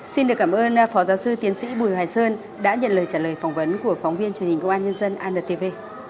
xin được cảm ơn phó giáo sư tiến sĩ bùi hoài sơn đã nhận lời trả lời phỏng vấn của phóng viên truyền hình công an nhân dân antv